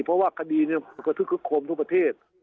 เพราะว่าคดีเนี่ยก็ทึกคลุกคมทุกประเทศ